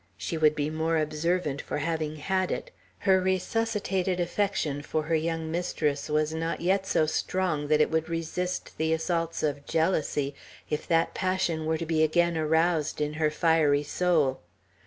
She would be more observant for having had it; her resuscitated affection far her young mistress was not yet so strong that it would resist the assaults of jealousy, if that passion were to be again aroused in her fiery soul.